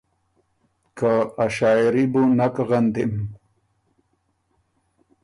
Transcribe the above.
که ا شاعېري بو نک غندِم۔